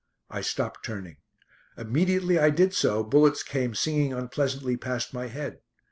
I stopped turning. Immediately I did so bullets came singing unpleasantly past my head.